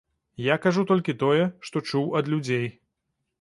Я кажу толькі тое, што чуў ад людзей.